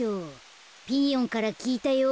ピーヨンからきいたよ